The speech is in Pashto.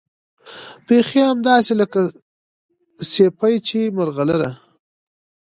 بيخي همداسې لکه سيپۍ چې ملغلره